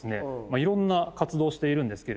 いろんな活動をしてるんですが。